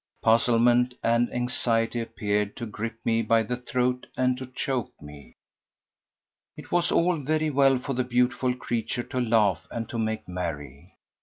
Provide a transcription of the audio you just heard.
Puzzlement and anxiety appeared to grip me by the throat and to choke me. It was all very well for the beautiful creature to laugh and to make merry.